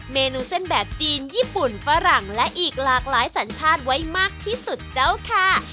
เมนูเส้นแบบจีนญี่ปุ่นฝรั่งและอีกหลากหลายสัญชาติไว้มากที่สุดเจ้าค่ะ